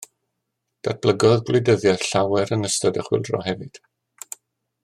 Datblygodd gwleidyddiaeth llawer yn ystod y chwyldro hefyd